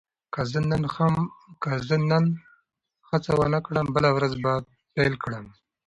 که زه نن هڅه ونه کړم، بله ورځ به پیل کړم.